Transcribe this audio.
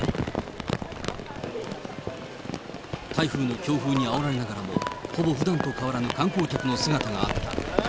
台風の強風にあおられながらも、ほぼ普段と変わらぬ観光客の姿があった。